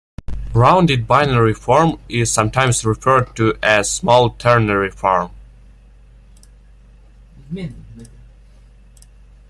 Rounded binary form is sometimes referred to as small ternary form.